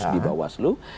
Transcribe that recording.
di bawah selu